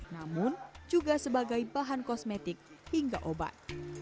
namun juga sebagai bahan kosmetik hingga obat